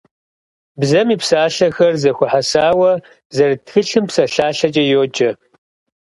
Бзэм и псалъэхэр зэхуэхьэсауэ зэрыт тхылъым псалъалъэкӏэ йоджэ.